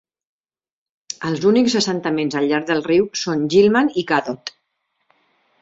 Els únics assentaments al llarg del riu són Gilman i Cadott.